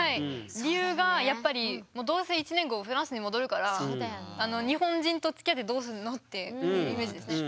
理由がやっぱりもうどうせ１年後フランスに戻るから日本人とつきあってどうするの？っていうイメージですね。